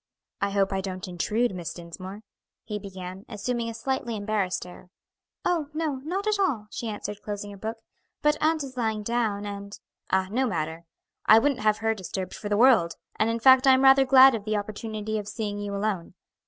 "I hope I don't intrude, Miss Dinsmore," he began, assuming a slightly embarrassed air. "Oh, no, not at all," she answered, closing her book; "but aunt is lying down, and " "Ah, no matter; I wouldn't have her disturbed for the world; and in fact I am rather glad of the opportunity of seeing you alone.